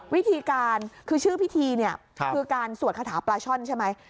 วิธีการคือชื่อพิธีเนี่ยคือการสวดคาถาปลาช่อนใช่ไหม